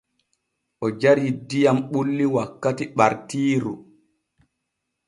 O jarii diyam bulli wakkati ɓartiiru.